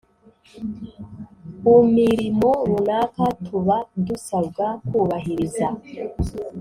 umirimo runaka tuba dusabwa kubahiriza.